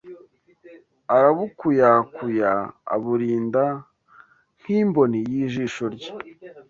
arabukuyakuya, aburinda nk’imboni y’ijisho rye